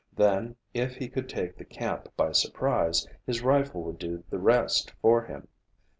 Then, if he could take the camp by surprise, his rifle would do the rest for him.